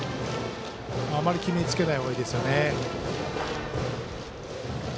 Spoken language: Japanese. あまり決め付けない方がいいですよね。